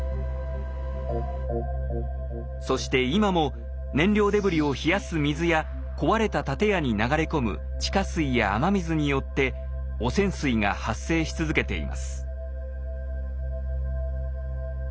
そして今も燃料デブリを冷やす水や壊れた建屋に流れ込む地下水や雨水によって汚染水が発生し続けています。